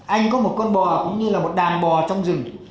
anh có một con bò cũng như là một đàn bò trong rừng